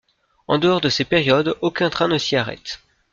En dehors de ces périodes aucun train ne s'y arrête.